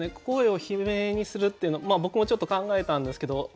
声を悲鳴にするっていうの僕もちょっと考えたんですけど